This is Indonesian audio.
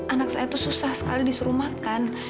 anak saya itu susah sekali disuruh makan